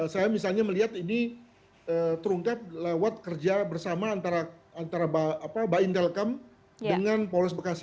saya misalnya melihat ini terungkap lewat kerja bersama antara bah intelkam dengan polres bekasi